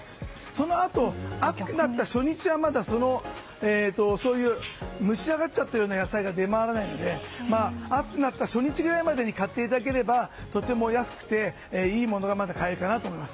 そのあと、暑くなった初日はまだそういう蒸し上がっちゃったような野菜出回らないので暑くなった初日ぐらいまでに買っていただければとても安くていいものがまだ買えるかなと思います。